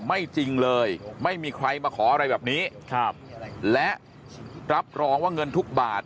ไม่จริงเลยไม่มีใครมาขออะไรแบบนี้ครับและรับรองว่าเงินทุกบาท